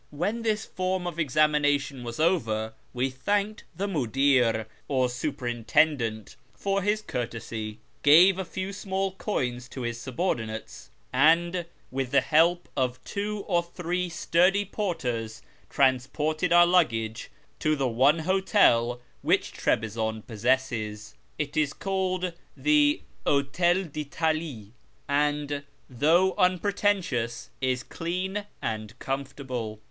When this form of examina tion was over we thanked the 7iiudir, or superintendent, for his courtesy, gave a few small coins to his subordinates, and, with the help of two or three sturdy porters, transported our luggage to the one hotel which Trebizonde possesses. It is called the " Hotel d'ltalie," and, though unpretentious, is clean and comfortable.